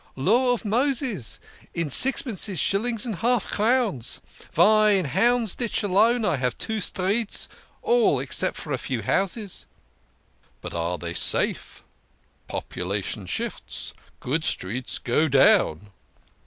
" Law of Moses ! In sixpences, shillings, and half crowns. Vy in Houndsditch alone, I have two streets all except a few houses." " But are they safe ? Population shifts. Good streets go down."